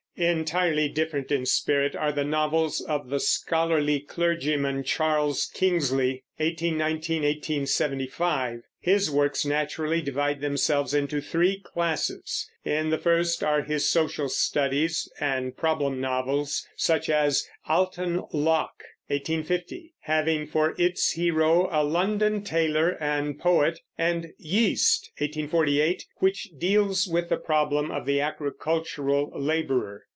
Entirely different in spirit are the novels of the scholarly clergyman, Charles Kingsley (1819 1875). His works naturally divide themselves into three classes. In the first are his social studies and problem novels, such as Alton Locke (1850), having for its hero a London tailor and poet, and Yeast (1848), which deals with the problem of the agricultural laborer.